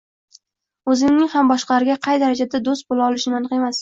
O‘zimning ham boshqalarga qay darajada do‘st bo‘la olishim aniq emas